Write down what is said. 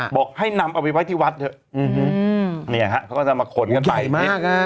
บอกให้นำเอาไว้ไว้ที่วัดเถอะเขาก็จะมาขนกันไป